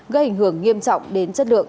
gây ảnh hưởng nghiêm trọng đến chất lượng